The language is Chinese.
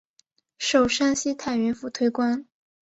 授山西太原府推官。